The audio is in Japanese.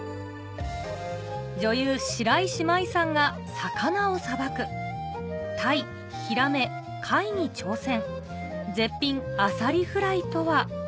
白石麻衣さんが魚をさばくタイヒラメ貝に挑戦絶品あさりフライとは？